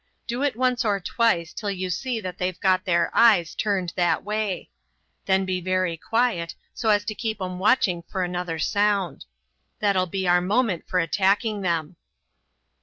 Do it once or twice till you see that they've got their eyes turned that way. Then be very quiet, so as to keep 'em watching for another sound. That'll be our moment for attacking 'em."